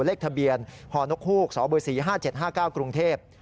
เลขทะเบียนฮนกฮูกสบ๔๕๗๕๙กรุงเทพฯ